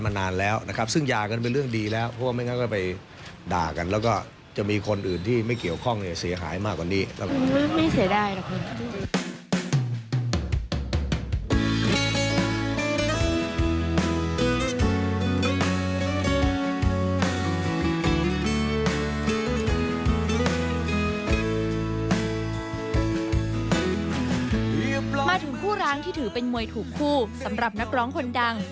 มาถึงคู่ร้างที่ถือเป็นมวยถูกคู่สำหรับนักร้องคนดัง